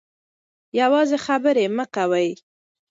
یوازې خبرې مه کوئ.